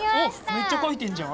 めっちゃかいてんじゃん！